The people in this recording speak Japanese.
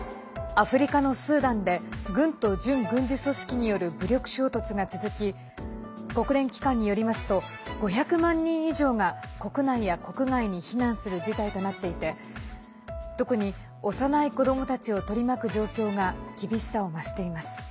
アフリカのスーダンで軍と準軍事組織による武力衝突が続き国連機関によりますと５００万人以上が国内や国外に避難する事態となっていて特に幼い子どもたちを取り巻く状況が厳しさを増しています。